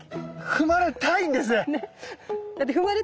踏まれたいんですね。